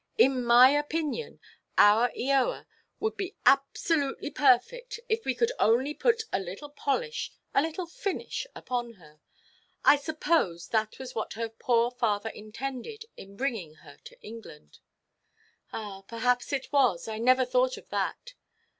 In my opinion, our Eoa would be absolutely perfect, if we could only put a little polish, a little finish, upon her. I suppose that was what her poor father intended, in bringing her to England." "Ah, perhaps it was. I never thought of that.